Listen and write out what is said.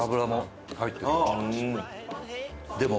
でも。